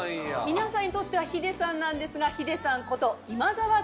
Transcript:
皆さんにとってはヒデさんなんですがヒデさんこと今澤徹男さんです。